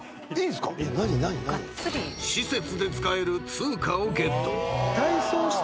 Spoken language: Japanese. ［施設で使える通貨をゲット］